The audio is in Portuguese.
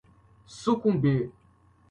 sucumbir